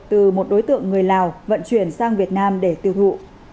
từ một đối tượng người lào vận chuyển sang việt nam để tư vụ